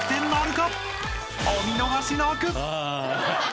［お見逃しなく！］